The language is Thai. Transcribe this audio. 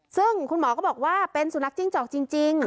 ซึ่งคุณหมอก็บอกว่าเป็นสุนัขจิ้งจอกจริง